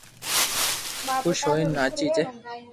خوس ھوئين ناچي جي